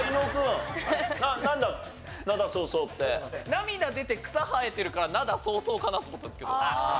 涙出て草生えてるから『涙そうそう』かなと思ったんですけど。